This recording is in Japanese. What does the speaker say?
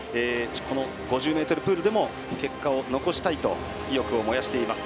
５０ｍプールでも結果を残したいと意欲を燃やしています。